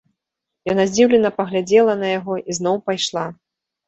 Яна здзіўлена паглядзела на яго і зноў пайшла.